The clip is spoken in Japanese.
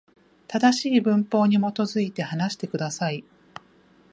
正しい文法に基づいて、話してください。